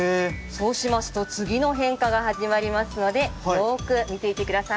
そうしますと次の変化が始まりますのでよく見ていてください。